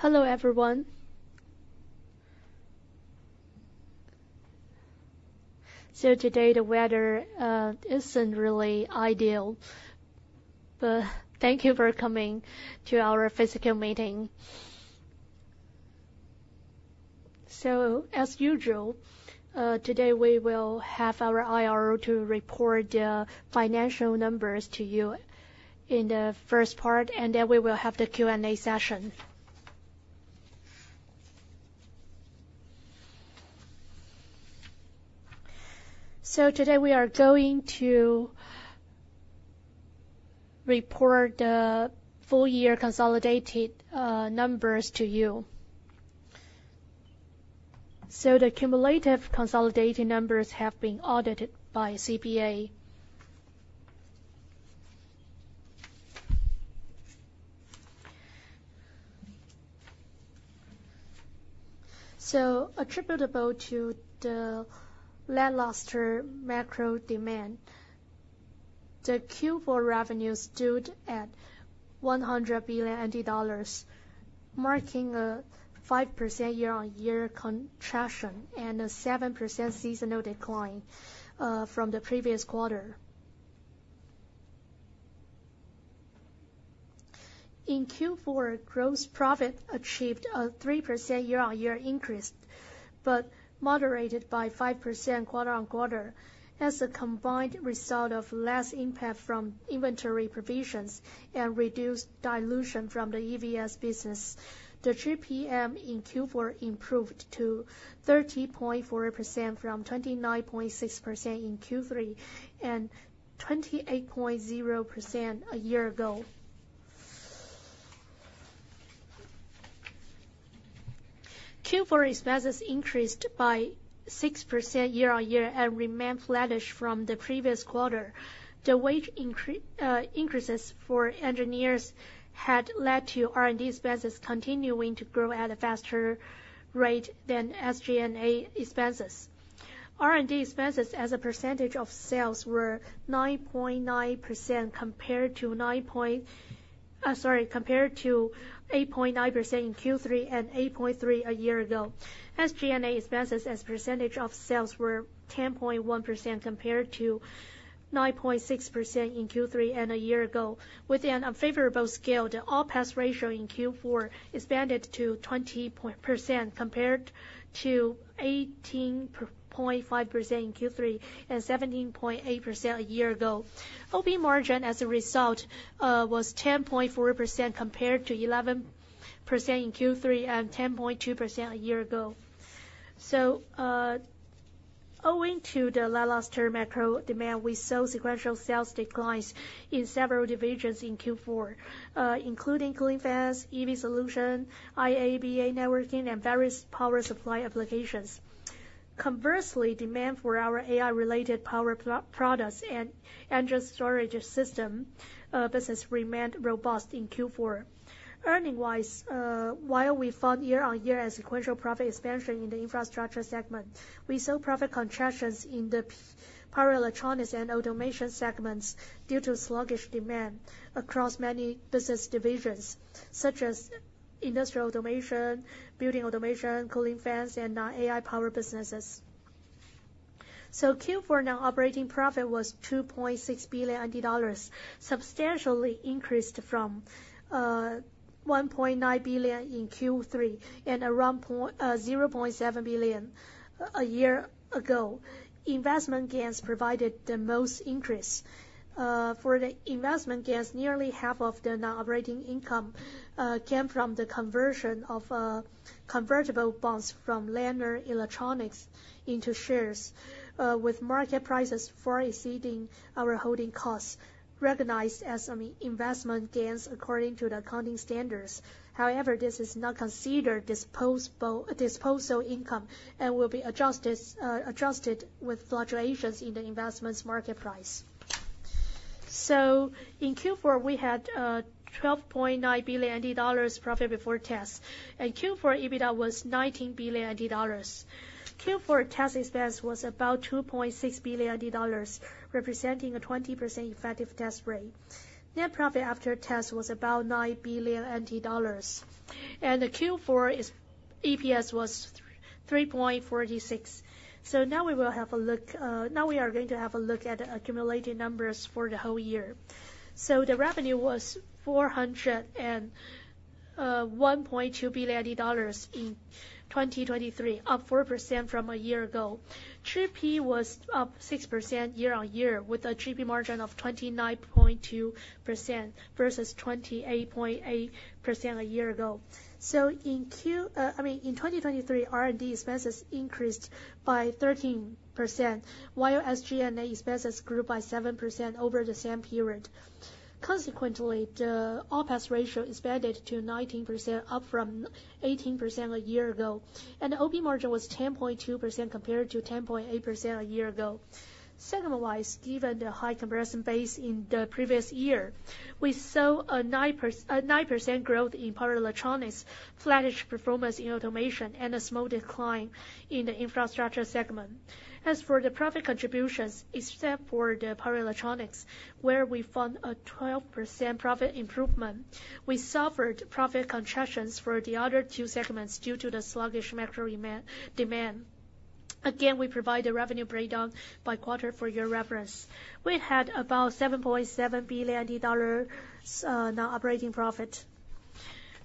Hello, everyone. Today, the weather isn't really ideal, but thank you for coming to our physical meeting. As usual, today we will have our IR to report the financial numbers to you in the first part, and then we will have the Q&A session. Today, we are going to report the full year consolidated numbers to you. The cumulative consolidated numbers have been audited by CPA. Attributable to the lackluster macro demand, the Q4 revenue stood at 100 billion dollars, marking a 5% year-on-year contraction and a 7% seasonal decline from the previous quarter. In Q4, Gross Profit achieved a 3% year-on-year increase, but moderated by 5% quarter-on-quarter, as a combined result of less impact from inventory provisions and reduced dilution from the EVS business. The gross margin in Q4 improved to 30.4% from 29.6% in Q3, and 28.0% a year ago. Q4 expenses increased by 6% year-on-year and remained flattish from the previous quarter. The wage increases for engineers had led to R&D expenses continuing to grow at a faster rate than SG&A expenses. R&D expenses as a percentage of sales were 9.9% compared to 8.9% in Q3 and 8.3% a year ago. SG&A expenses as a percentage of sales were 10.1% compared to 9.6% in Q3 and a year ago. With an unfavorable scale, the OPEX ratio in Q4 expanded to 20% compared to 18.5% in Q3 and 17.8% a year ago. OP margin as a result was 10.4% compared to 11% in Q3 and 10.2% a year ago. So, owing to the lackluster macro demand, we saw sequential sales declines in several divisions in Q4, including cooling fans, EV solution, IA/BA networking, and various power supply applications. Conversely, demand for our AI-related power products and energy storage system business remained robust in Q4. Earnings-wise, while we found year-on-year and sequential profit expansion in the infrastructure segment, we saw profit contractions in the power electronics and automation segments due to sluggish demand across many business divisions, such as industrial automation, building automation, cooling fans, and AI power businesses. So Q4 net operating profit was 2.6 billion dollars, Substantially increased from 1.9 billion in Q3 and around 0.7 billion a year ago. Investment gains provided the most increase. For the investment gains, nearly half of the net operating income came from the conversion of convertible bonds from Lanner Electronics into shares, with market prices far exceeding our holding costs, recognized as an investment gains according to the accounting standards. However, this is not considered disposal income and will be adjusted with fluctuations in the investments market price. So in Q4, we had 12.9 billion dollars profit before tax, and Q4 EBITDA was 19 billion dollars. Q4 tax expense was about 2.6 billion dollars, representing a 20% effective tax rate. Net profit after tax was about 9 billion dollars, and the Q4 EPS was 3.46. So now we will have a look. Now we are going to have a look at the accumulated numbers for the whole year. So the revenue was 401.2 billion dollars in 2023, up 4% from a year ago. Gross profit was up 6% year-on-year, with a gross profit margin of 29.2% versus 28.8% a year ago. So in Q, I mean, in 2023, R&D expenses increased by 13%, while SG&A expenses grew by 7% over the same period. Consequently, the OPEX ratio expanded to 19%, up from 18% a year ago, and the OP margin was 10.2% compared to 10.8% a year ago. Segment-wise, given the high comparison base in the previous year, we saw a 9% growth in power electronics, flattish performance in automation, and a small decline in the infrastructure segment. As for the profit contributions, except for the power electronics, where we found a 12% profit improvement, we suffered profit contractions for the other two segments due to the sluggish macro demand. Again, we provide a revenue breakdown by quarter for your reference. We had about 7.7 billion dollars net operating profit.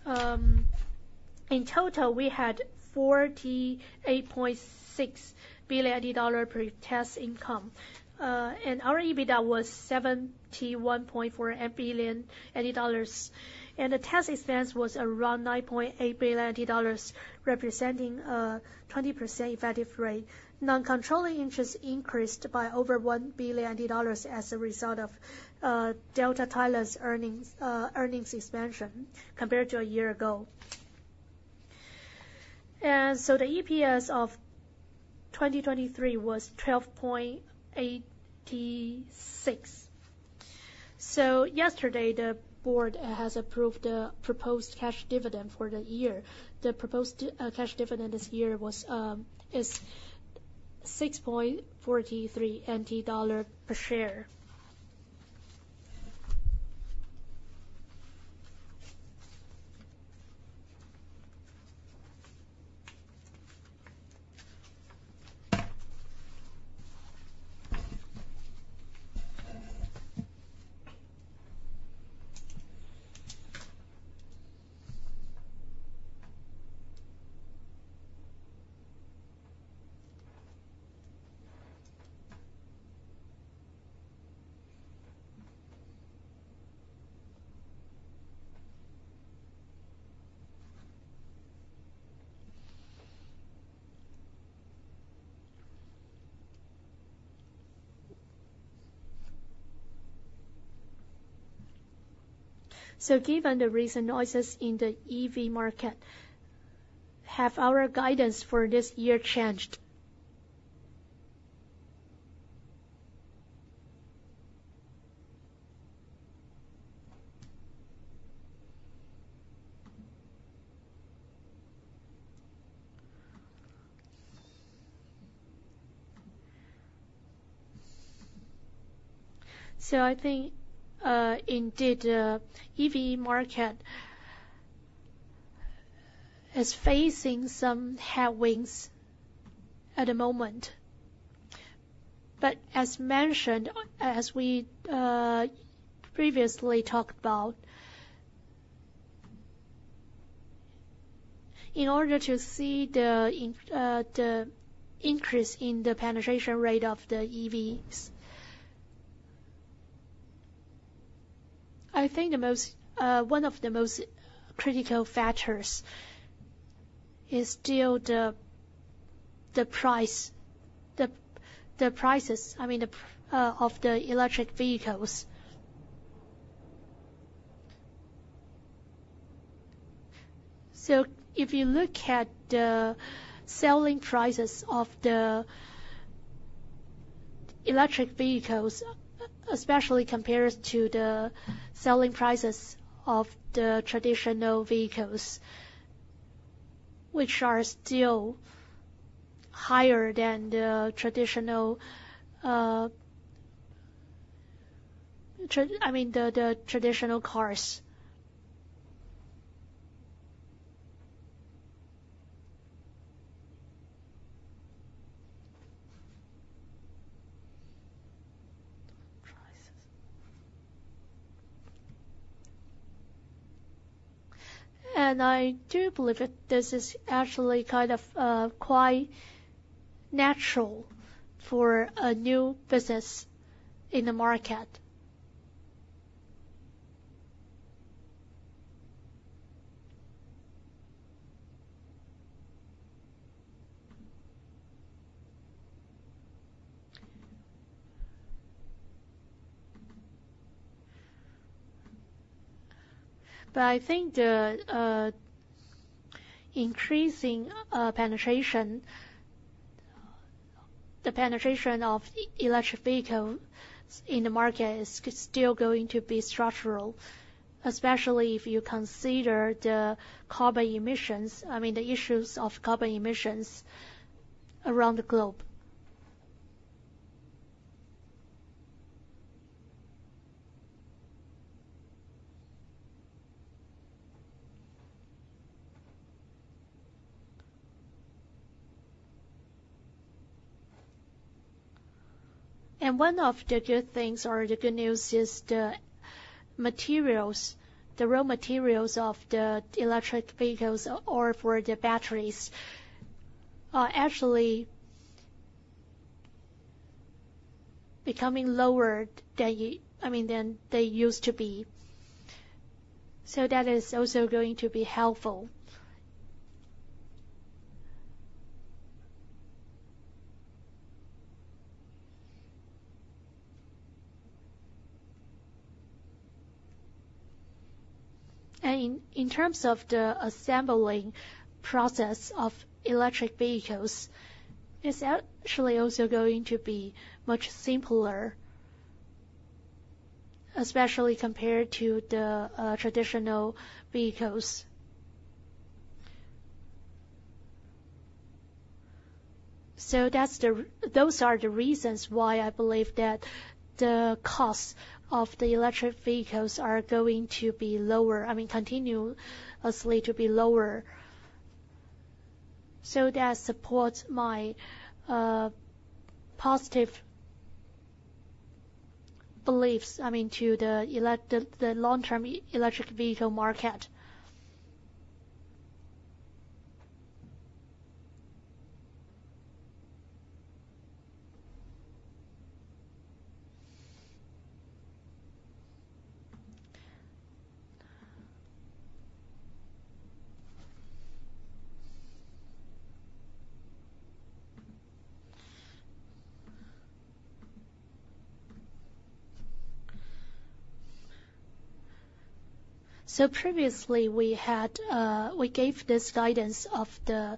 In total, we had 48.6 billion dollars pre-tax income, and our EBITDA was 71.4 billion dollars, and the tax expense was around 9.8 billion dollars, representing a 20% effective rate. Non-controlling interest increased by over 1 billion dollars as a result of Delta Thailand's earnings expansion compared to a year ago. The EPS of 2023 was 12.86. Yesterday, the board has approved the proposed cash dividend for the year. The proposed cash dividend this year is 6.43 NT dollar per share. Given the recent noises in the EV market, have our guidance for this year changed? I think, indeed, the EV market is facing some headwinds at the moment. But as mentioned, as we previously talked about, in order to see the increase in the penetration rate of the EVs, I think one of the most critical factors is still the prices, I mean, the of the electric vehicles. So if you look at the selling prices of the electric vehicles, especially compared to the selling prices of the traditional vehicles, which are still higher than the traditional, I mean, the traditional cars prices. And I do believe that this is actually kind of quite natural for a new business in the market. But I think the increasing penetration, the penetration of electric vehicles in the market is still going to be structural, especially if you consider the carbon emissions, I mean, the issues of carbon emissions around the globe. And one of the good things or the good news is the materials, the raw materials of the electric vehicles or for the batteries are actually becoming lower than, I mean, than they used to be. So that is also going to be helpful. In terms of the assembling process of electric vehicles, it's actually also going to be much simpler, especially compared to the traditional vehicles. So those are the reasons why I believe that the costs of the electric vehicles are going to be lower, I mean, continuously to be lower. So that supports my positive beliefs, I mean, to the long-term electric vehicle market. So previously, we gave this guidance of the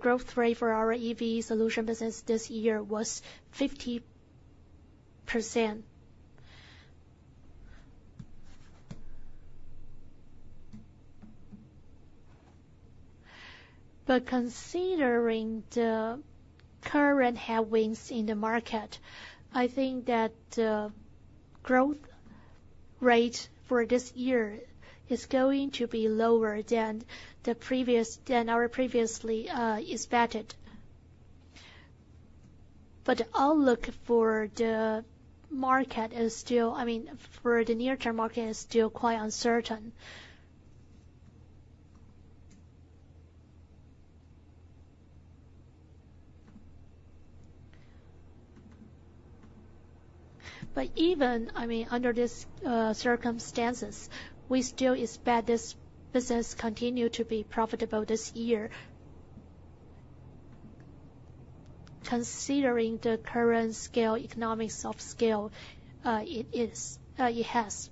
growth rate for our EV solution business this year was 50%. But considering the current headwinds in the market, I think that the growth rate for this year is going to be lower than our previously expected. But the outlook for the market is still, I mean, for the near-term market, is still quite uncertain. But even, I mean, under these circumstances, we still expect this business continue to be profitable this year, considering the current scale, economics of scale, it is, it has.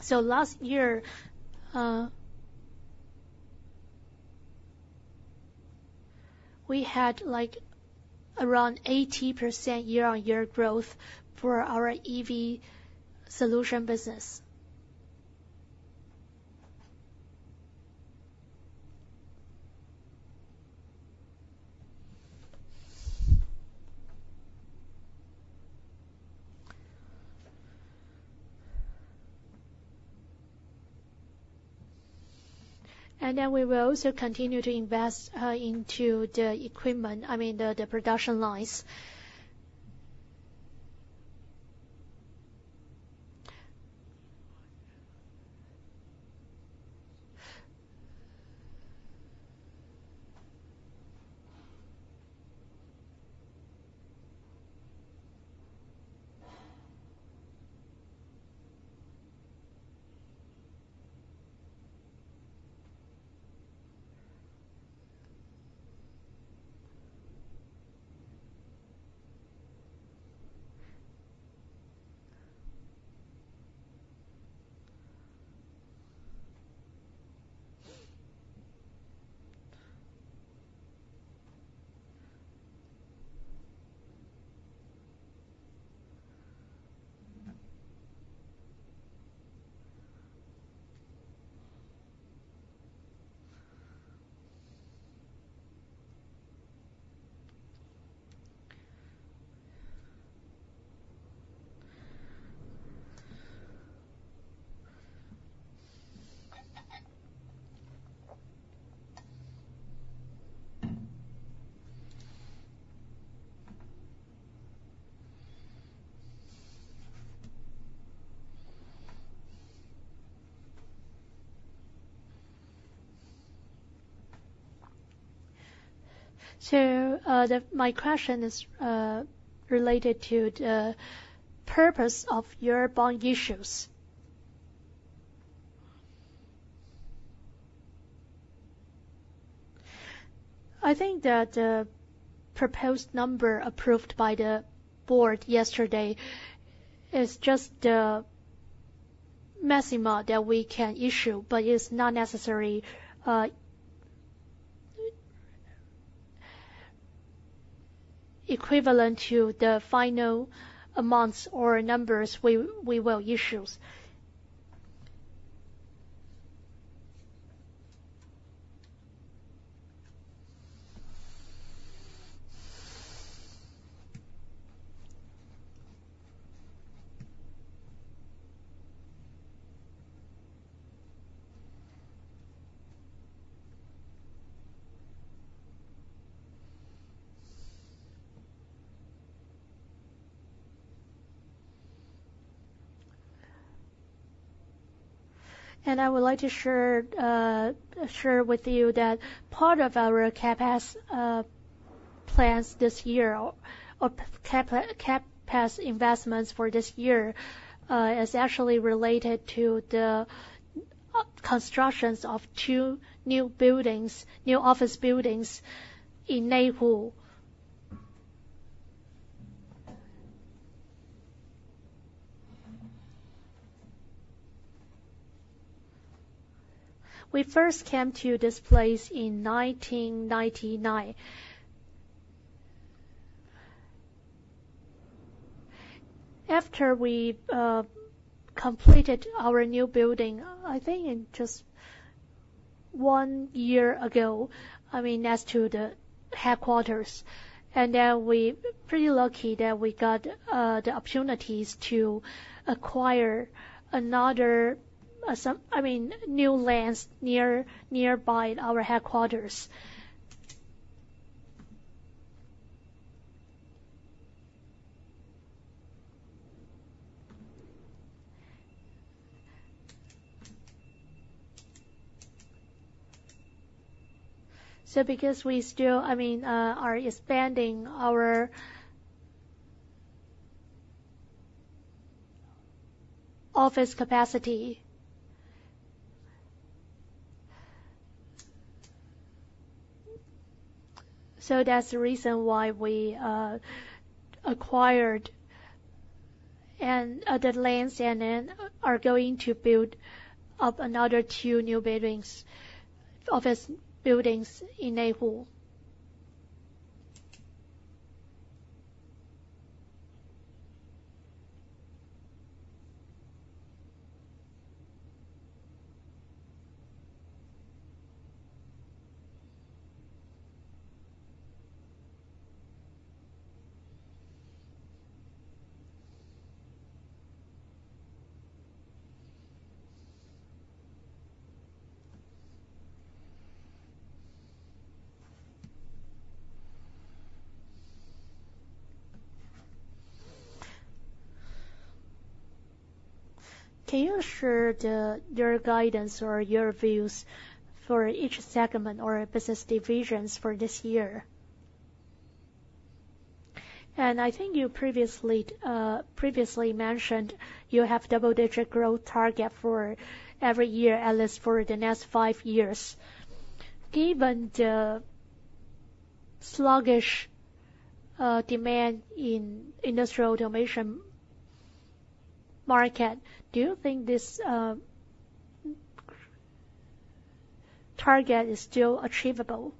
So last year, we had, like, around 80% year-on-year growth for our EV solution business. And then we will also continue to invest into the equipment, I mean, the production lines. So, my question is related to the purpose of your bond issues. I think that the proposed number approved by the board yesterday is just the maximum that we can issue, but it's not necessary equivalent to the final amounts or numbers we will issue. I would like to share with you that part of our CapEx plans this year, or CapEx investments for this year, is actually related to the constructions of two new buildings, new office buildings in Neihu. We first came to this place in 1999. After we completed our new building, I think just one year ago, I mean next to the headquarters. Then we pretty lucky that we got the opportunities to acquire another—I mean, new lands nearby our headquarters. So because we still, I mean, are expanding our office capacity. So that's the reason why we acquired the lands, and then are going to build up another two new buildings, office buildings in Neihu. Can you share your guidance or your views for each segment or business divisions for this year? And I think you previously mentioned you have double-digit growth target for every year, at least for the next five years. Given the sluggish demand in industrial automation market, do you think this target is still achievable?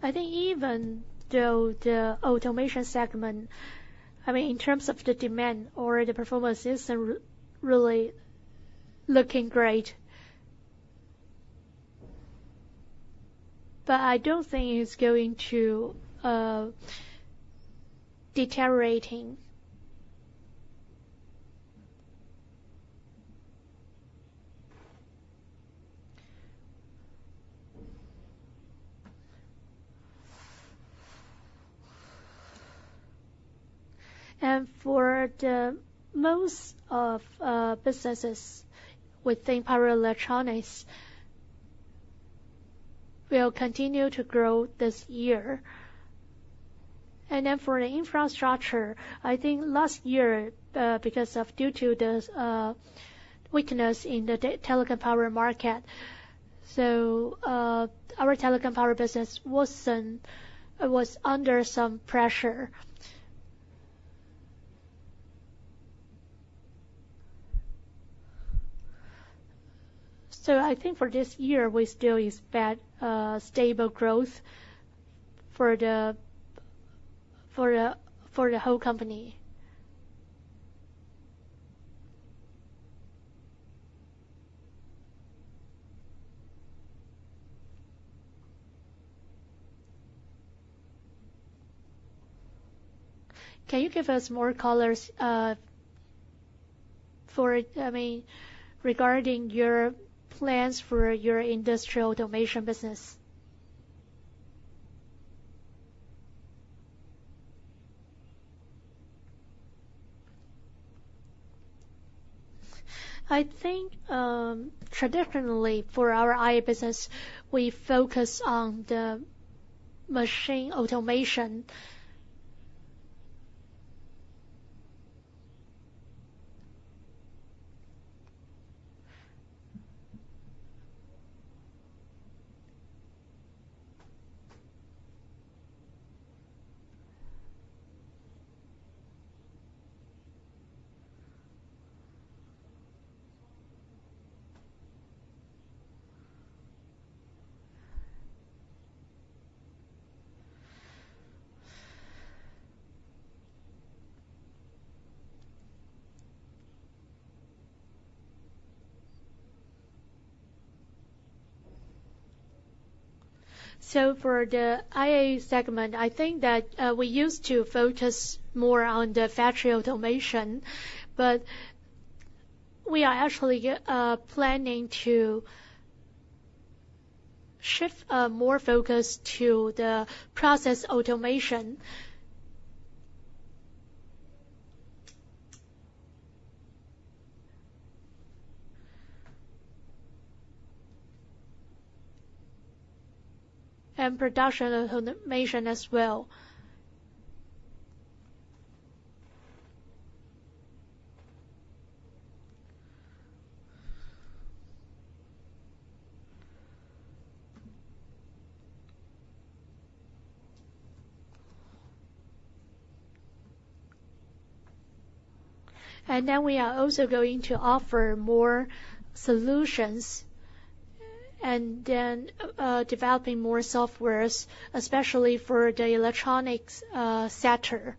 I think even though the automation segment, I mean, in terms of the demand or the performance, isn't really looking great. But I don't think it's going to deteriorating. And for the most of businesses within power electronics, will continue to grow this year. And then for the infrastructure, I think last year, because of due to the weakness in the telecom power market, so our telecom power business was under some pressure. So I think for this year, we still expect stable growth for the whole company. Can you give us more color, I mean, regarding your plans for your industrial automation business? I think traditionally, for our IA business, we focus on the machine automation. So for the IA segment, I think that we used to focus more on the factory automation, but we are actually planning to shift more focus to the process automation. And production automation as well. And then we are also going to offer more solutions, and then developing more software, especially for the electronics sector.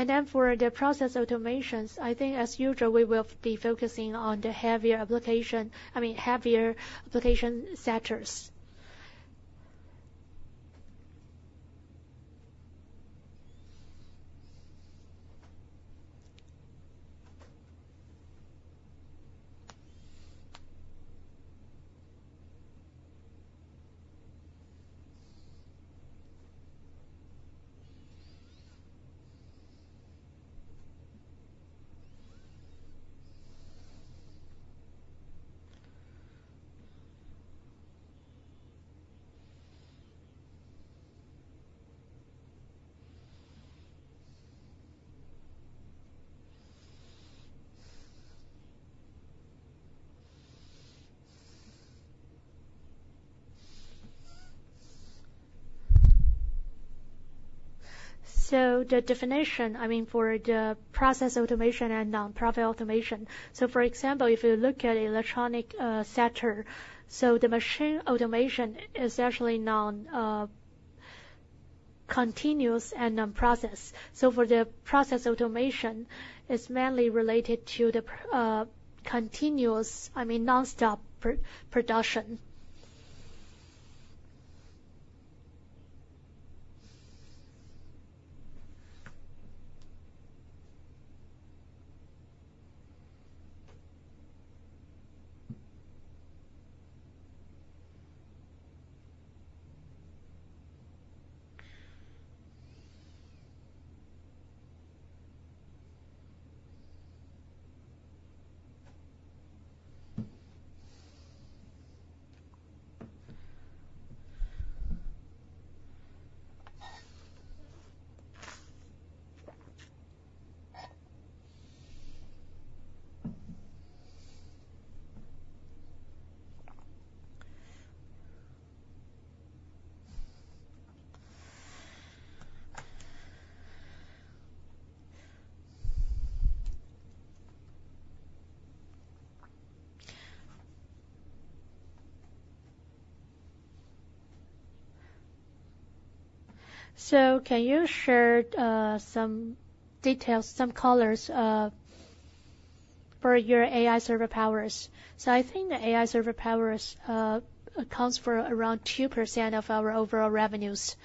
And then for the process automations, I think as usual, we will be focusing on the heavier application, I mean, heavier application sectors. So the definition, I mean, for the process automation and production automation. So for example, if you look at electronic sector, so the machine automation is actually non-continuous and non-process. So for the process automation, is mainly related to the continuous, I mean, nonstop production. So can you share some details, some colors for your AI server powers? So I think the AI server powers accounts for around 2% of our overall revenues.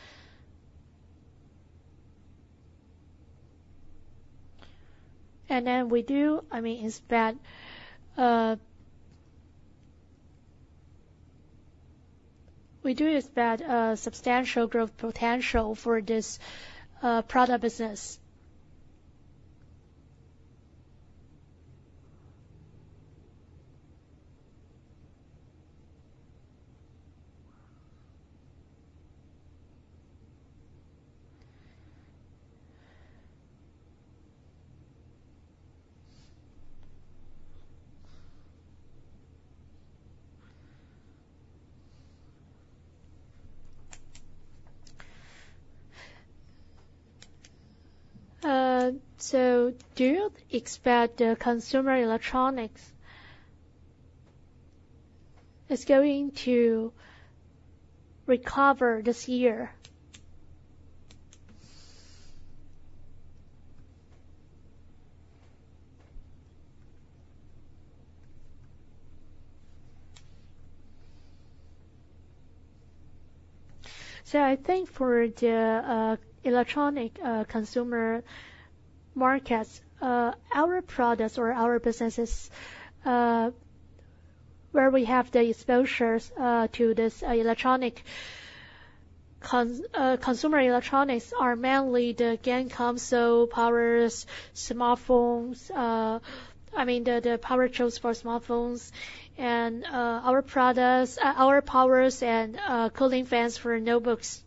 And then we do, I mean, expect, we do expect substantial growth potential for this product business. So do you expect the consumer electronics is going to recover this year? So I think for the electronic consumer markets, our products or our businesses, where we have the exposures, to this electronic consumer electronics are mainly the game console powers, smartphones, I mean, the power tools for smartphones and our products, our powers and cooling fans for notebooks.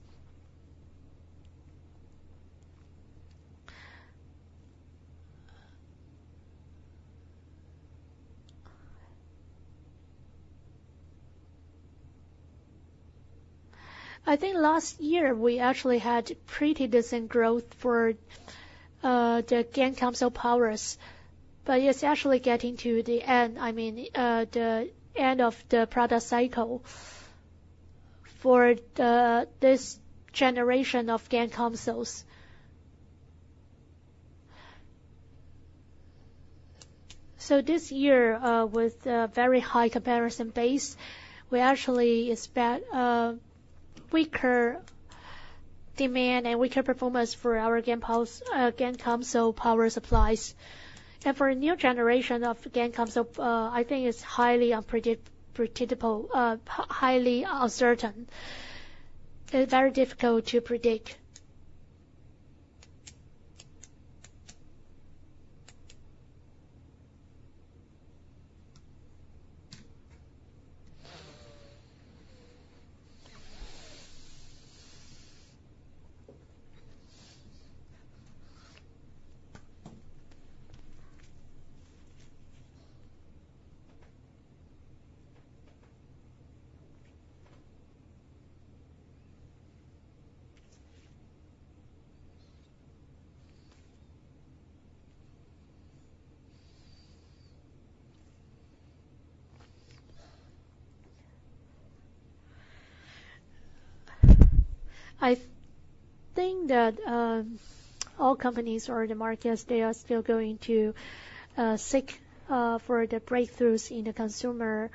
I think last year we actually had pretty decent growth for the game console powers, but it's actually getting to the end, I mean, the end of the product cycle for this generation of game consoles. So this year, with a very high comparison base, we actually expect a weaker demand and weaker performance for our game powers, game console power supplies. And for a new generation of game console, I think it's highly unpredictable, highly uncertain. Very difficult to predict. I think that all companies or the markets, they are still going to seek for the breakthroughs in the consumer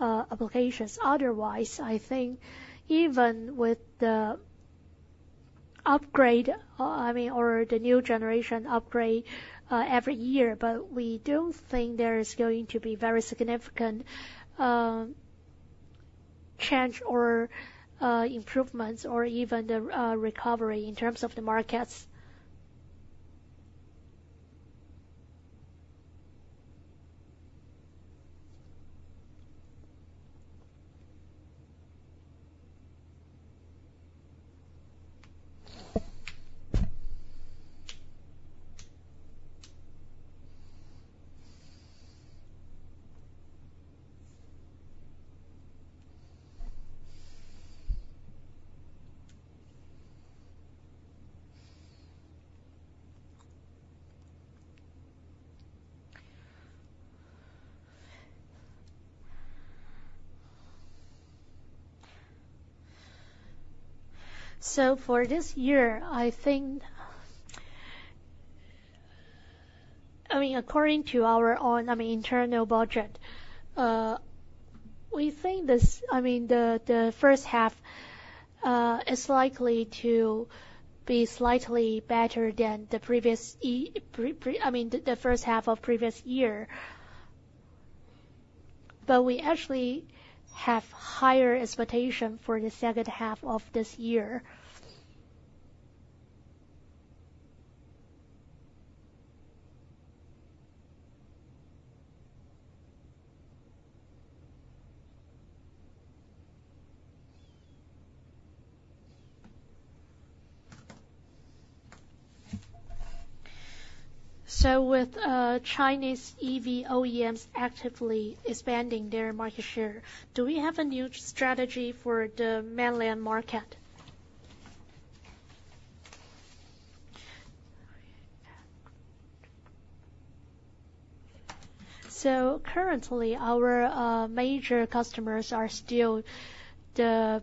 applications. Otherwise, I think even with the upgrade, I mean, or the new generation upgrade every year, but we don't think there is going to be very significant change or improvements or even the recovery in terms of the markets. So for this year, I think - I mean, according to our own, I mean, internal budget, we think this - I mean, the first half is likely to be slightly better than the previous year - I mean, the first half of previous year. But we actually have higher expectation for the second half of this year. So with Chinese EV OEMs actively expanding their market share, do we have a new strategy for the mainland market? So currently, our major customers are still the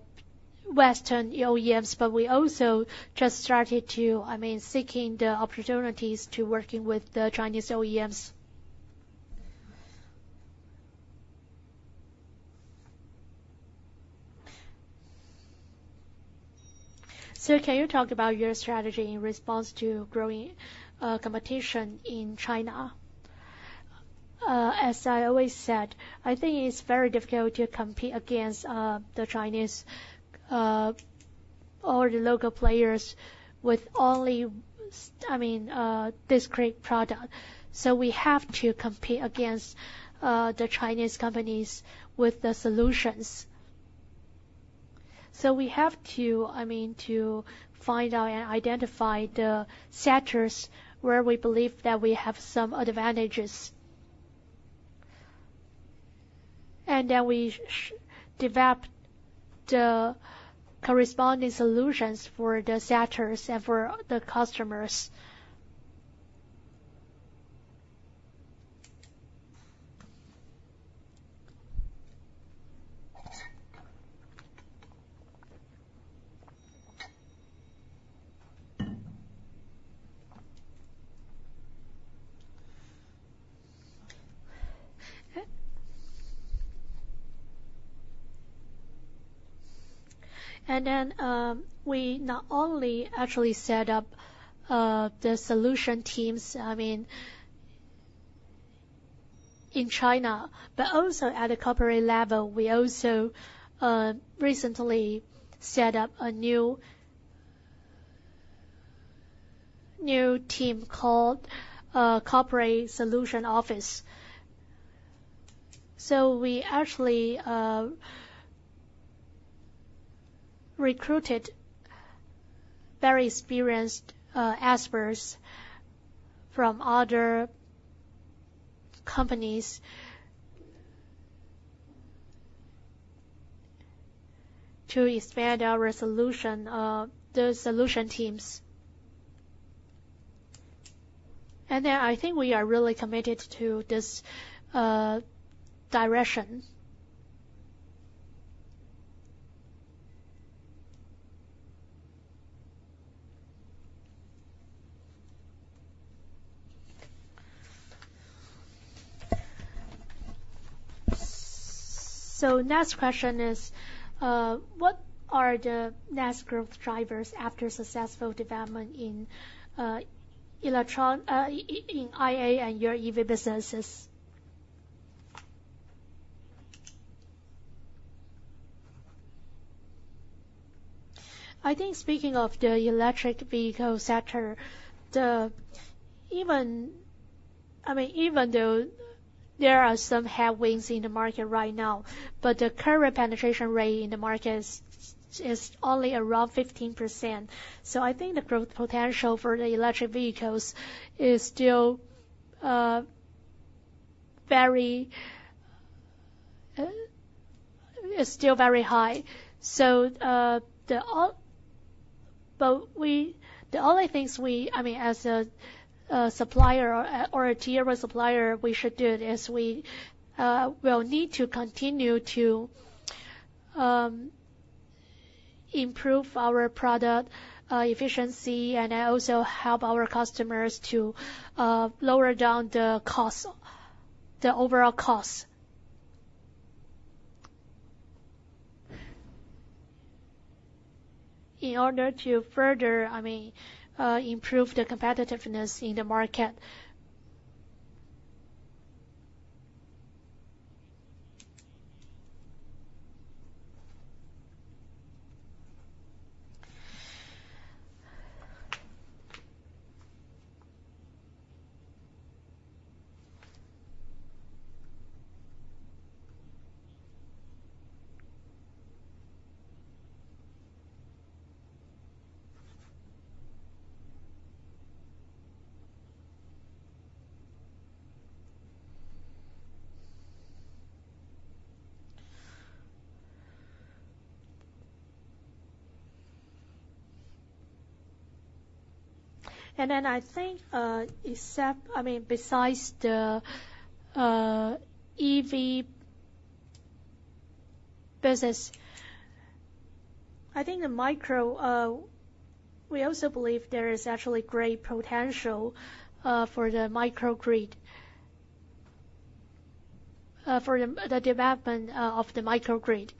western OEMs, but we also just started to, I mean, seeking the opportunities to working with the Chinese OEMs. So can you talk about your strategy in response to growing competition in China? As I always said, I think it's very difficult to compete against the Chinese or the local players with only, I mean, discrete product. So we have to compete against the Chinese companies with the solutions. So we have to, I mean, to find out and identify the sectors where we believe that we have some advantages. And then we develop the corresponding solutions for the sectors and for the customers. And then, we not only actually set up the solution teams, I mean, in China, but also at a corporate level, we also recently set up a new team called Corporate Solution Office. So we actually recruited very experienced experts from other companies to expand our solution teams. And then, I think we are really committed to this direction. So next question is, what are the next growth drivers after successful development in electronics in IA and your EV businesses? I think speaking of the electric vehicle sector, even, I mean, even though there are some headwinds in the market right now, but the current penetration rate in the market is only around 15%. So I think the growth potential for the electric vehicles is still very high. So, the only things we, I mean, as a supplier or a tier one supplier, we should do it, is we will need to continue to improve our product efficiency and also help our customers to lower down the costs, the overall costs. In order to further, I mean, improve the competitiveness in the market. And then I think, except, I mean, besides the EV business, I think the micro, we also believe there is actually great potential for the microgrid, for the development of the microgrid.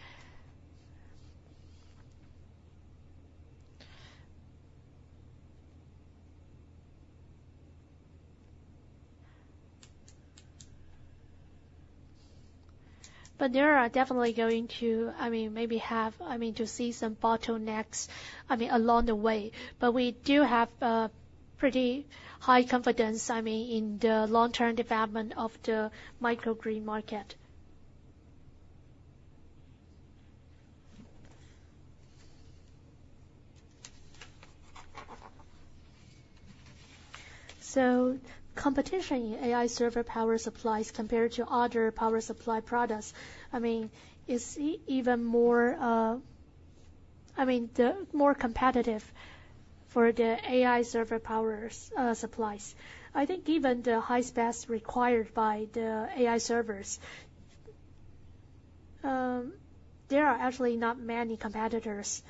But there are definitely going to, I mean, maybe have, I mean, to see some bottlenecks, I mean, along the way. But we do have pretty high confidence, I mean, in the long-term development of the microgrid market. So competition in AI server power supplies compared to other power supply products, I mean, is even more, I mean, the more competitive for the AI server powers, supplies. I think even the high specs required by the AI servers, there are actually not many competitors.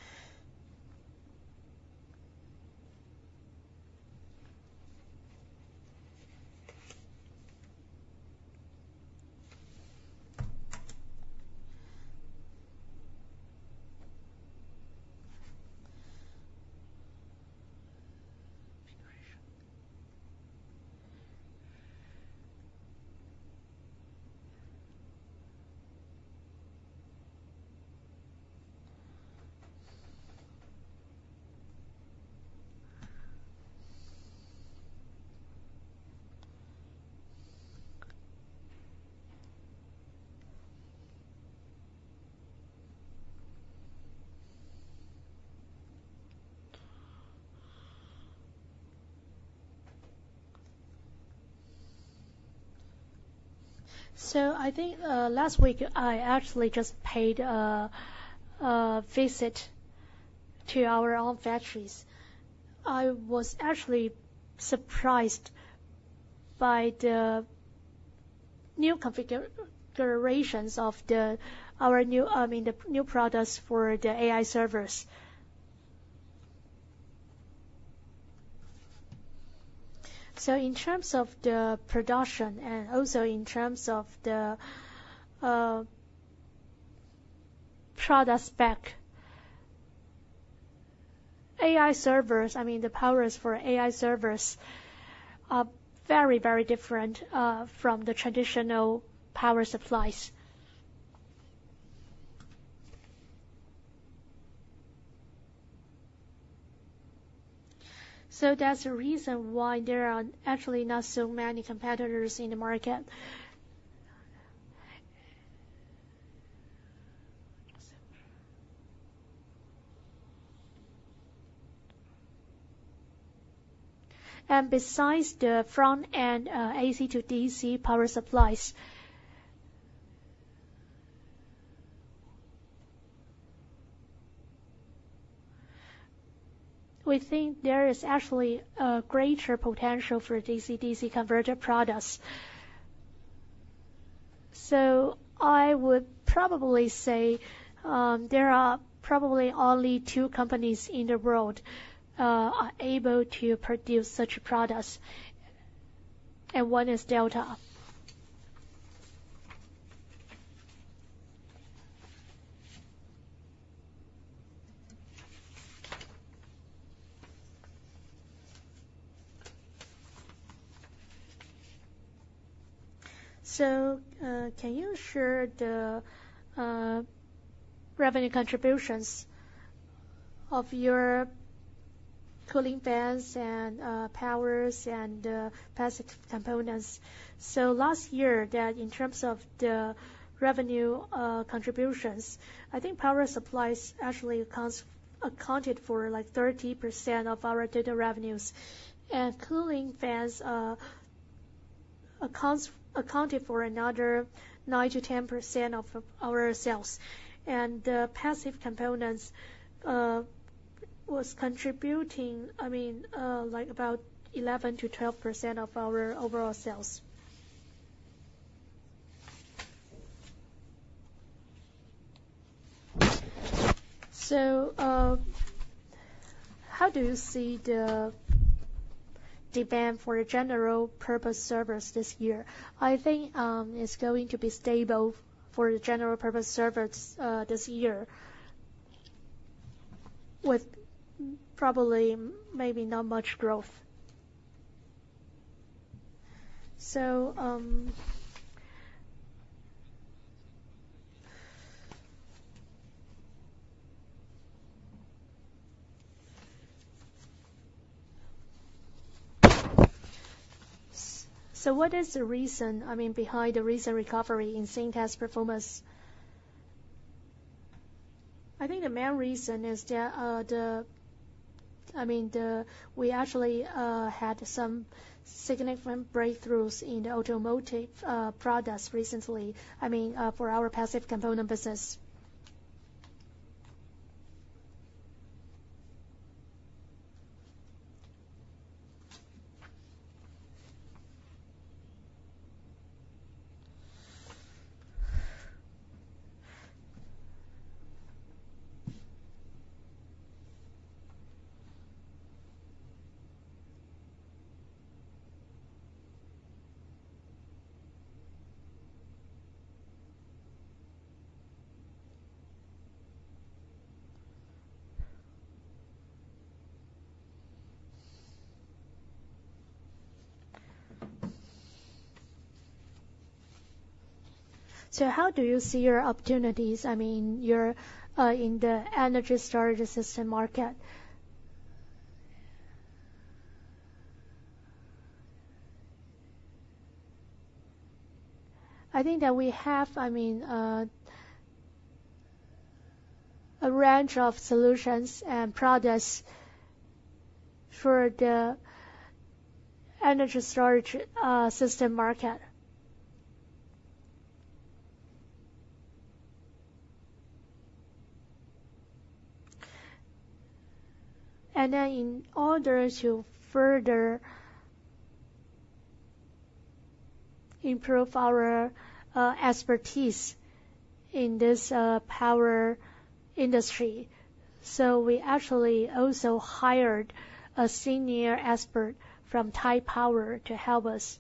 So I think, last week, I actually just paid a visit to our own factories. I was actually surprised by the new configurations of our new, I mean, the new products for the AI servers. So in terms of the production and also in terms of the, product spec, AI servers, I mean, the powers for AI servers are very, very different, from the traditional power supplies. So that's the reason why there are actually not so many competitors in the market. Besides the front-end AC to DC power supplies, we think there is actually a greater potential for DC-DC converter products. So I would probably say there are probably only two companies in the world are able to produce such products, and one is Delta. So can you share the revenue contributions of your cooling fans and powers and passive components? So last year, that in terms of the revenue contributions, I think power supplies actually accounted for like 30% of our total revenues. And cooling fans accounted for another 9%-10% of our sales. And the passive components was contributing, I mean, like about 11%-12% of our overall sales. So how do you see the demand for general purpose servers this year? I think it's going to be stable for the general purpose servers this year, with probably maybe not much growth. So what is the reason, I mean, behind the recent recovery in Cyntec's performance? I think the main reason is we actually had some significant breakthroughs in the automotive products recently, I mean, for our passive component business. So how do you see your opportunities, I mean, in the energy storage system market? I think that we have, I mean, a range of solutions and products for the energy storage system market. And then in order to further improve our expertise in this power industry, so we actually also hired a senior expert from Taipower to help us.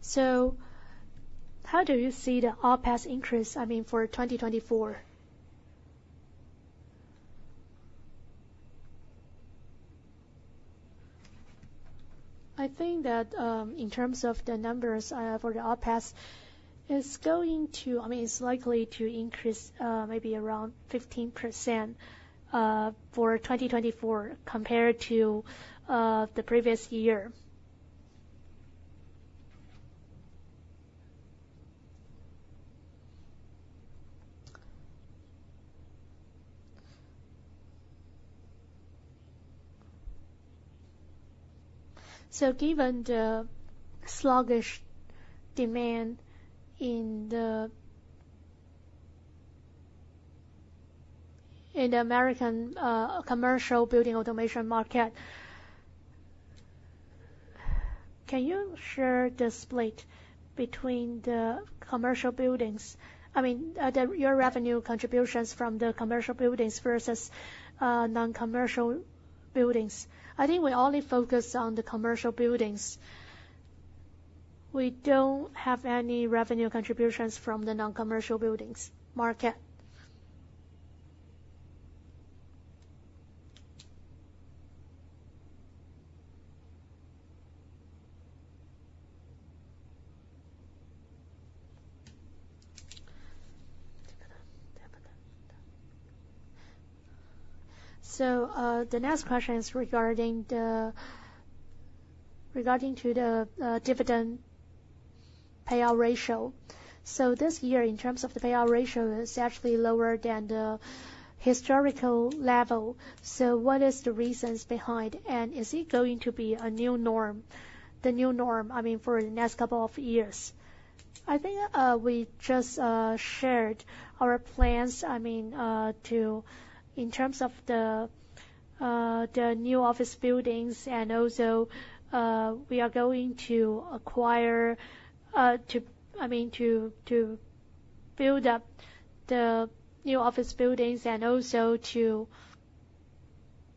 So how do you see the OPEX increase, I mean, for 2024? I think that, in terms of the numbers, for the OPEX, it's going to... I mean, it's likely to increase, maybe around 15%, for 2024, compared to, the previous year. So given the sluggish demand in the American commercial building automation market, can you share the split between the commercial buildings? I mean, your revenue contributions from the commercial buildings versus non-commercial buildings. I think we only focus on the commercial buildings. We don't have any revenue contributions from the non-commercial buildings market. So, the next question is regarding to the dividend payout ratio. So this year, in terms of the payout ratio, it's actually lower than the historical level. So what is the reasons behind, and is it going to be a new norm, the new norm, I mean, for the next couple of years? I think, we just shared our plans, I mean, to, in terms of the new office buildings, and also, we are going to acquire, to—I mean, to, to build up the new office buildings and also to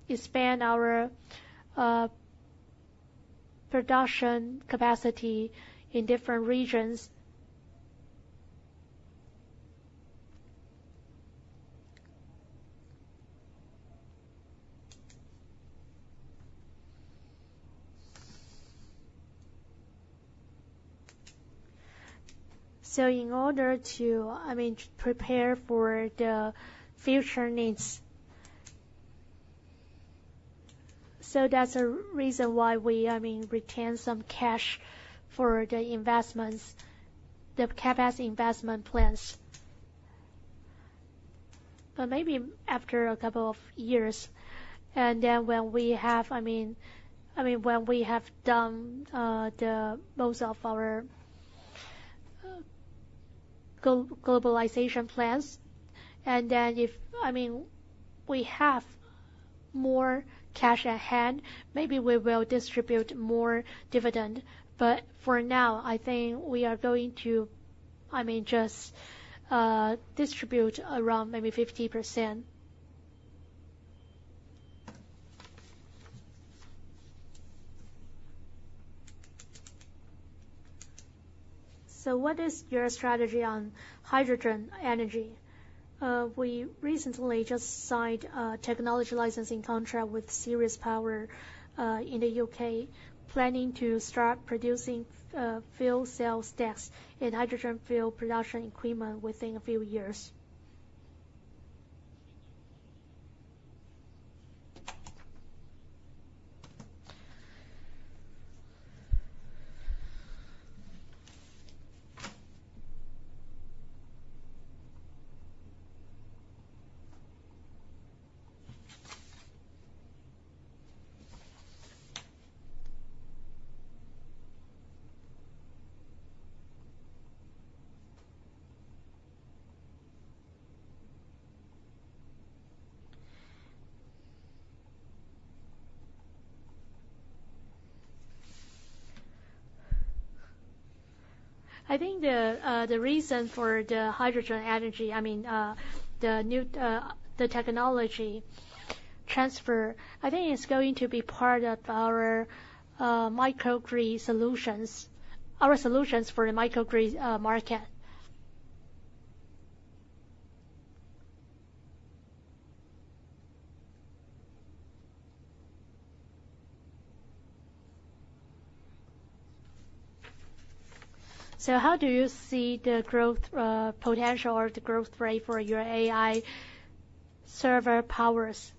expand our production capacity in different regions. So in order to, I mean, prepare for the future needs. So that's the reason why we, I mean, retain some cash for the investments, the CapEx investment plans. But maybe after a couple of years, and then when we have—I mean, when we have done the most of our globalization plans, and then if, I mean, we have more cash at hand, maybe we will distribute more dividend. But for now, I think we are going to, I mean, just distribute around maybe 50%. So what is your strategy on hydrogen energy? We recently just signed a technology licensing contract with Ceres Power in the U.K., planning to start producing fuel cell stacks and hydrogen fuel production equipment within a few years. I think the reason for the hydrogen energy, I mean, the new technology transfer, I think it's going to be part of our microgrid solutions, our solutions for the microgrid market. So how do you see the growth, potential or the growth rate for your AI server powers?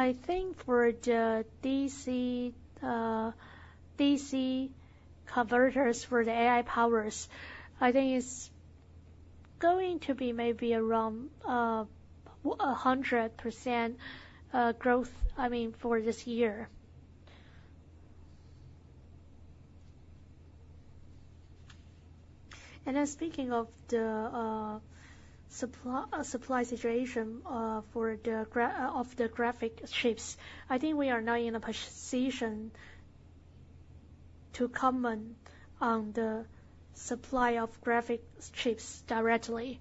I think for the DC-DC converters for the AI powers, I think it's going to be maybe around, a 100%, growth, I mean, for this year. And then speaking of the, supply, supply situation, for the graphic chips, I think we are not in a position to comment on the supply of graphic chips directly.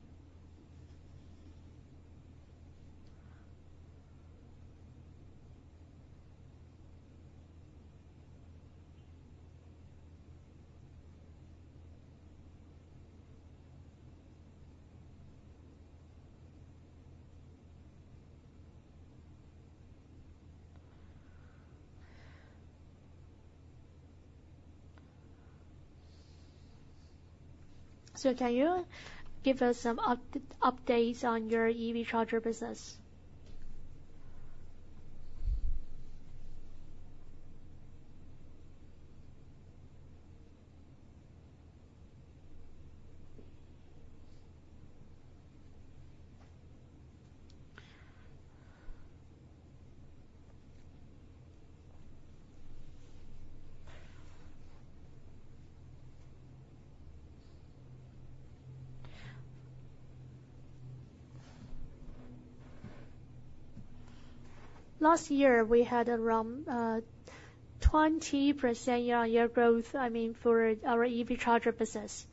So can you give us some updates on your EV charger business? Last year, we had around, 20% year-on-year growth, I mean, for our EV charger business.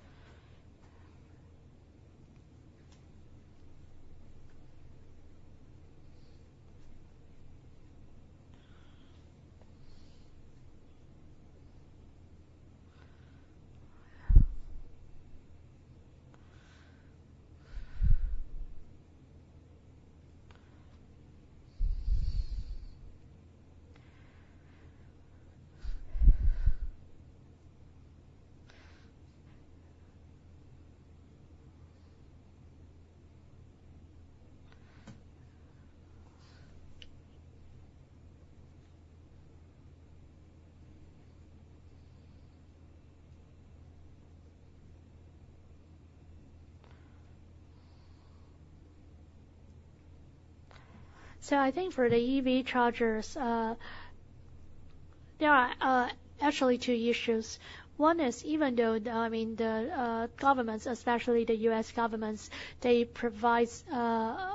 So I think for the EV chargers, There are actually two issues. One is, even though, the, I mean, the, governments, especially the U.S. governments, they provide,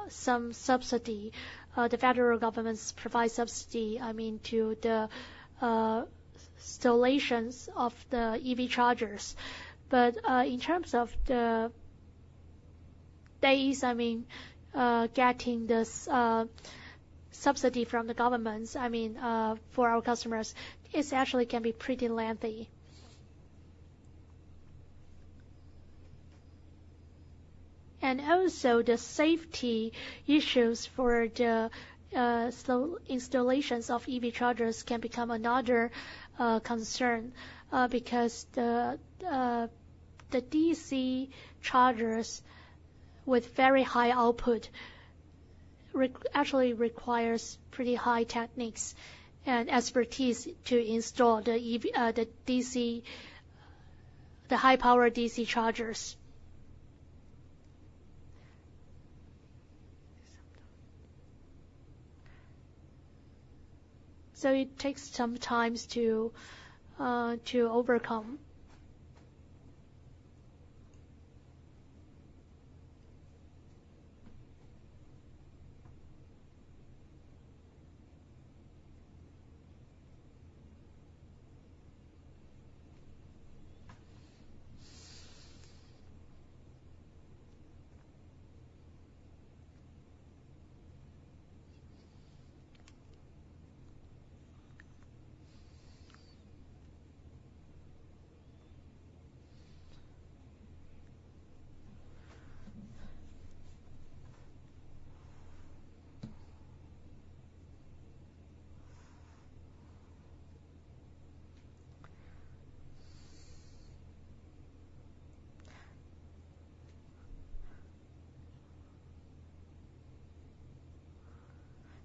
some subsidy. The federal governments provide subsidy, I mean, to the installations of the EV chargers. But in terms of the days, I mean, getting this subsidy from the governments, I mean, for our customers, it's actually can be pretty lengthy. And also, the safety issues for the installations of EV chargers can become another concern because the DC chargers with very high output actually requires pretty high techniques and expertise to install the DC, the high-power DC chargers. So it takes some times to overcome.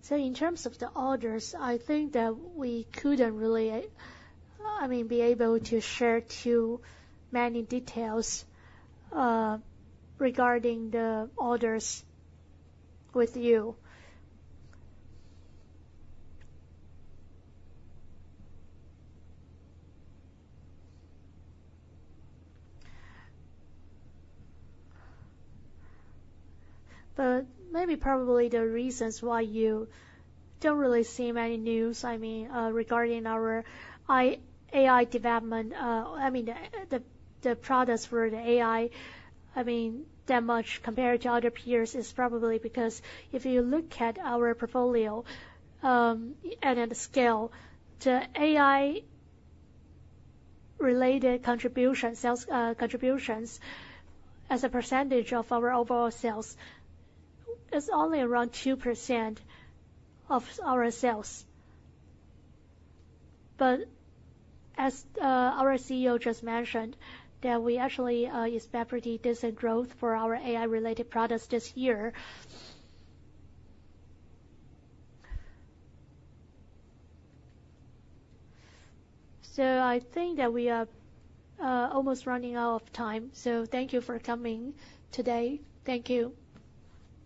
So in terms of the orders, I think that we couldn't really, I mean, be able to share too many details regarding the orders with you. But maybe probably the reasons why you don't really see many news, I mean, regarding our AI development, I mean, the products for the AI, I mean, that much compared to other peers, is probably because if you look at our portfolio, and at the scale, the AI-related contribution, sales, contributions as a percentage of our overall sales, is only around 2% of our sales. But as our CEO just mentioned, that we actually expect pretty decent growth for our AI-related products this year. So I think that we are almost running out of time. So thank you for coming today. Thank you.